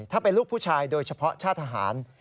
ถ้าเป็นลูกผู้ชายโดยเฉพาะชาติทหาร